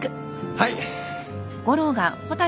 はい。